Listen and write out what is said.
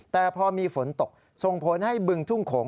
แต่พอมีฝนตกส่งผลให้บึงทุ่งโขง